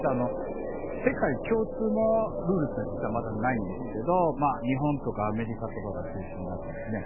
世界共通のルールっていうのは実はまだないんですけど日本とかアメリカとかが中心になってですね